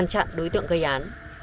ngăn chặn đối tượng gây án